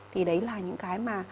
thì đấy là những cái mà